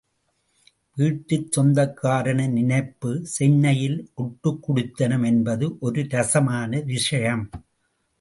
வீட்டுச் சொந்தக்காரனின் நினைப்பு சென்னையில் ஒட்டுக் குடித்தனம் என்பது ஒரு ரசமான விஷயம்.